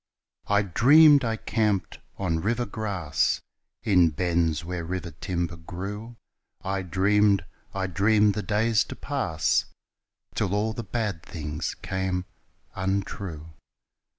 I dreamed I camped on river grass In bends where river timber grew, I dreamed, I dreamed the days to pass Till all the bad things came untrue.